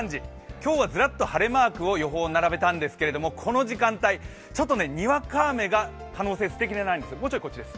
今日はずらっと晴れマークを予報で並べたんですけど、この時間帯、ちょっとにわか雨の可能性が捨てきれないんです。